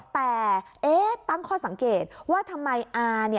แต่ตั้งข้อสังเกตว่าทำไมอา